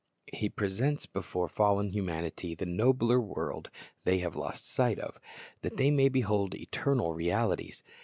"* He presents before fallen humanity the nobler world they have lost sight of, that they may behold eternal realities.